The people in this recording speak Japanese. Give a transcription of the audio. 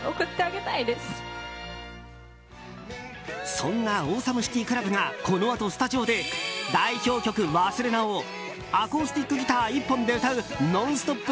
そんなＡｗｅｓｏｍｅＣｉｔｙＣｌｕｂがこのあとスタジオで代表曲「勿忘」をアコースティックギター１本で歌う「ノンストップ！」